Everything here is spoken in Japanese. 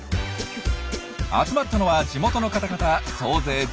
集まったのは地元の方々総勢１６人。